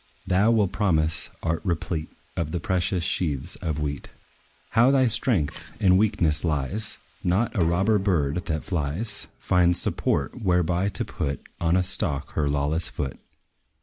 Thou with promise art replete Of the precious sheaves of wheat. How thy strength in weakness lies! Not a robber bird, that flies, Finds support whereby to put On a stalk her lawless foot.